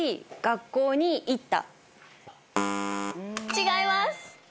違います。